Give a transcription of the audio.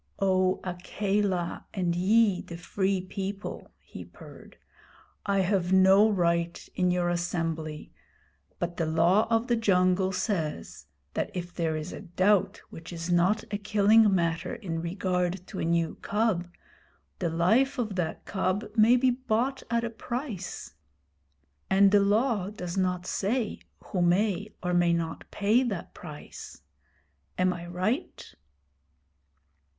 'O Akela, and ye the Free People,' he purred, 'I have no right in your assembly; but the Law of the Jungle says that if there is a doubt which is not a killing matter in regard to a new cub, the life of that cub may be bought at a price. And the Law does not say who may or may not pay that price. Am I right?'